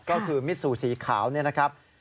ก็คือมิซูสีขาวเนี่ยนะครับ